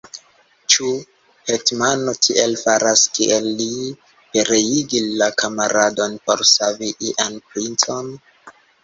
Ĉu hetmano tiel faras, kiel li: pereigi la kamaradon por savi ian princon?